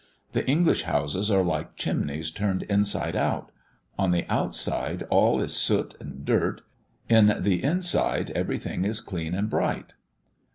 The English houses are like chimneys turned inside out; on the outside all is soot and dirt, in the inside everything is clean and bright.